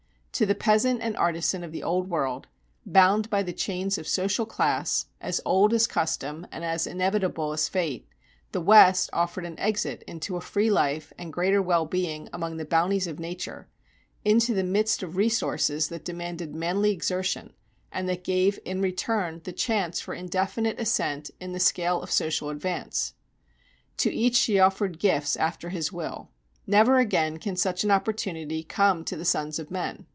To the peasant and artisan of the Old World, bound by the chains of social class, as old as custom and as inevitable as fate, the West offered an exit into a free life and greater well being among the bounties of nature, into the midst of resources that demanded manly exertion, and that gave in return the chance for indefinite ascent in the scale of social advance. "To each she offered gifts after his will." Never again can such an opportunity come to the sons of men.